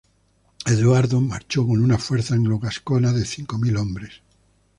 Eduardo marchó con una fuerza anglo-gascona de cinco mil hombres.